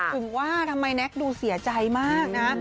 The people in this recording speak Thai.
ถึงว่าทำไมแน็กดูเสียใจมากนะ